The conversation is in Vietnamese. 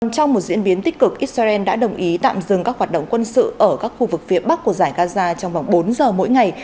trong một diễn biến tích cực israel đã đồng ý tạm dừng các hoạt động quân sự ở các khu vực phía bắc của giải gaza trong vòng bốn giờ mỗi ngày